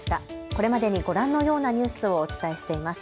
これまでにご覧のようなニュースをお伝えしています。